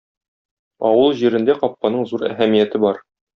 Авыл җирендә капканың зур әһәмияте бар.